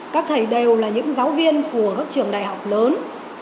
các thầy đều là những giáo viên của các trường đại học lớn